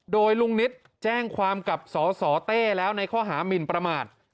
โดยลุงนิตแจ้งความกับสสเต้แล้วในข้อหามินประมาท